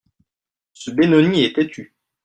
Ce Benoni est têtu.